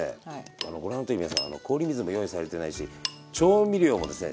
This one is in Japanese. あのご覧になってる皆さん氷水も用意されてないし調味料もですね